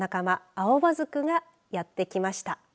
アオバズクがやって来ました。